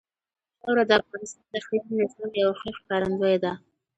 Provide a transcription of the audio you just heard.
خاوره د افغانستان د اقلیمي نظام یوه ښه ښکارندوی ده.